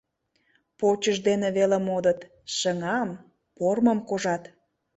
Почышт дене веле модыт, шыҥам, пормым кожат.